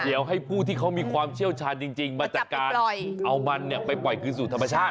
เดี๋ยวให้ผู้ที่เขามีความเชี่ยวชาญจริงมาจัดการเอามันไปปล่อยคืนสู่ธรรมชาติ